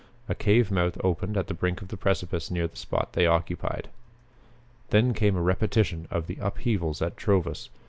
A cave mouth opened at the brink of the precipice near the spot they occupied. Then came a repetition of the upheaval at Trovus.